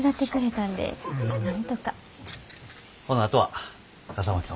ほなあとは笠巻さん